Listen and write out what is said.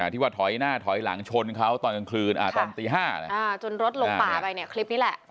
ที่ว่าถอยหน้าถอยหลังชนเขาตอนกลางคืนตอนตี๕จนรถลงป่าไปเนี่ยคลิปนี้แหละ